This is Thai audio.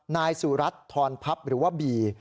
นายสุรัตน์ทรพับหรือว่าบี